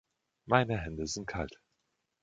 Meine Hände sind kalt.